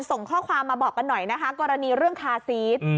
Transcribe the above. ส่งข้อความมาบอกกันหน่อยนะคะกรณีเรื่องคาซีส